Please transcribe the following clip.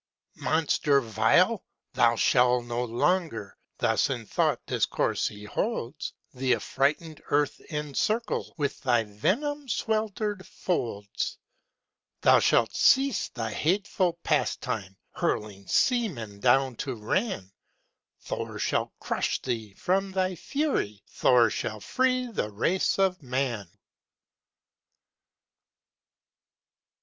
Monster vile! thou shall no longer (Thus in thought discourse he holds) The affrighted earth encircle With thy venom swelterŌĆÖd folds. Thou shalt cease thy hateful pastime, Hurling seamen down to Ran: Thor shall crush thee; from thy fury Thor shall free the race of man.